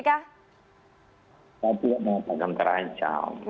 tidak tidak mau terancam